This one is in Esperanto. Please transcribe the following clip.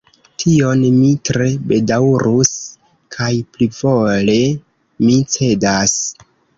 Tion mi tre bedaŭrus, kaj plivole mi cedas.